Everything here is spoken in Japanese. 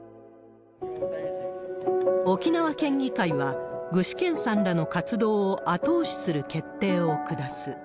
沖縄県議会は具志堅さんらの活動を後押しする決定を下す。